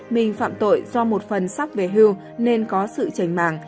mình phạm tội do một phần sắp về hưu nên có sự chảnh mạng